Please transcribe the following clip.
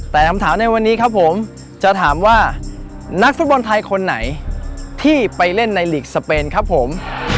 แต่คำถามในวันนี้ครับผมจะถามว่านักฟุตบอลไทยคนไหนที่ไปเล่นในหลีกสเปนครับผม